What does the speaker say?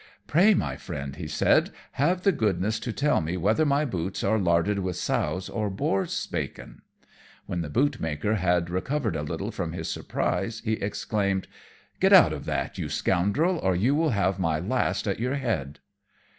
"Pray, my Friend," he said, "have the goodness to tell me whether my boots are larded with sow's or boar's bacon." When the bootmaker had recovered a little from his surprise, he exclaimed, "Get out of that, you scoundrel, or you will have my last at your head."